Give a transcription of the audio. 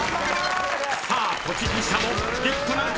［さあ栃木しゃもゲットなるか。